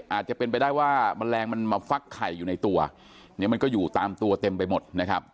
อาจจะเป็นไปได้ว่าแมลงมันมาฟักไข่อยู่ในตัวเนี่ยมันก็อยู่ตามตัวเต็มไปหมดนะครับ